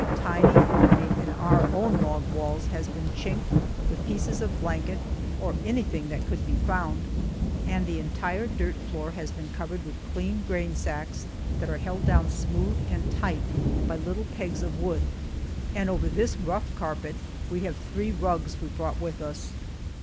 Every tiny opening in our own log walls has been chinked with pieces of blanket or anything that could be found, and the entire dirt floor has been covered with clean grain sacks that are held down smooth and tight by little pegs of wood, and over this rough carpet we have three rugs we brought with us.